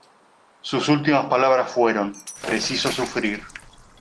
Sus últimas palabras fueron: "Preciso sufrir".